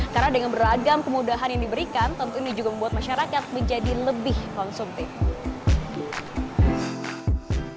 karena dengan beragam kemudahan yang diberikan tentunya ini juga membuat masyarakat menjadi lebih konsumtif